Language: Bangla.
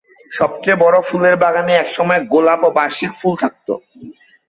সবচেয়ে বড় ফুলের বাগানে একসময় গোলাপ ও বার্ষিক ফুল থাকত।